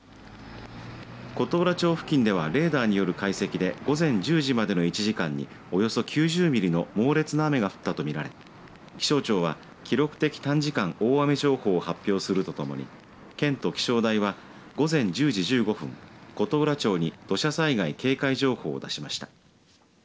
琴浦町付近ではレーダーによる解析で午前１０時までの１時間におよそ９０ミリの猛烈な雨が降ったと見られ気象庁は記録的短時間大雨情報を発表するとともに県と気象台は午前１０時１５分琴浦町に土砂災害警戒情報を出しました。